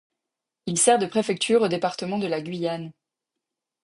Il sert de préfecture au département de la Guyane.